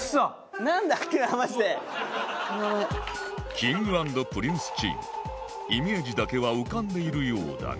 Ｋｉｎｇ＆Ｐｒｉｎｃｅ チームイメージだけは浮かんでいるようだが